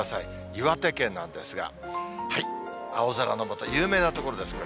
岩手県なんですが、青空の下、有名な所です。